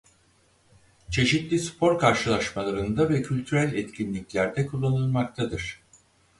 Çeşitli spor karşılaşmalarında ve kültürel etkinliklerde kullanılmaktadır.